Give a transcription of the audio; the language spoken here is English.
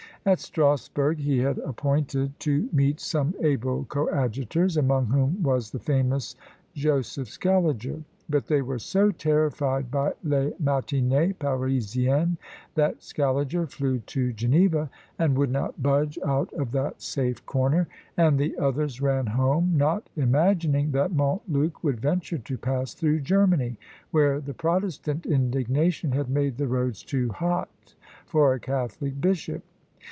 At Strasburgh he had appointed to meet some able coadjutors, among whom was the famous Joseph Scaliger; but they were so terrified by Les Matinées Parisiennes, that Scaliger flew to Geneva, and would not budge out of that safe corner: and the others ran home, not imagining that Montluc would venture to pass through Germany, where the protestant indignation had made the roads too hot for a catholic bishop.